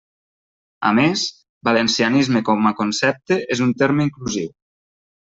A més, valencianisme com a concepte és un terme inclusiu.